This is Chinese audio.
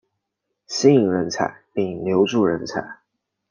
吸引人才并留住人才